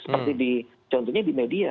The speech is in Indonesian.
seperti di contohnya di media